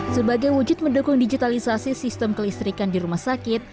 sebagai wujud mendukung digitalisasi sistem kelistrikan di rumah sakit